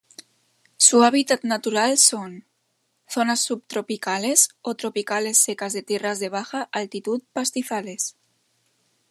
Su hábitat natural son:zonas subtropicales o tropicales secas de tierras de baja altitud pastizales.